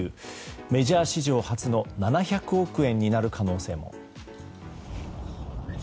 メジャー史上初の７００億円になる可能性も。